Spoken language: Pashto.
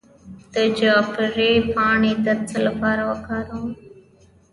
د جعفری پاڼې د څه لپاره وکاروم؟